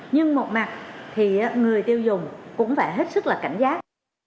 nhưng một mặt thì người tiêu dùng cũng phải hết sức là cảnh giác